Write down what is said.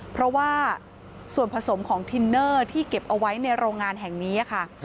เพราะว่าส่วนผสมของทินเนอร์ที่เก็บเอาไว้ในโรงงานแห่งนี้ค่ะ